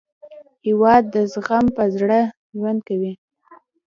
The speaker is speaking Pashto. هېواد د زغم په زړه ژوند کوي.